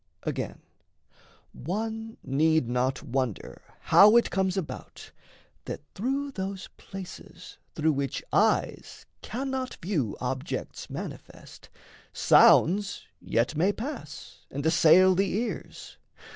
Again, One need not wonder how it comes about That through those places (through which eyes cannot View objects manifest) sounds yet may pass And assail the ears.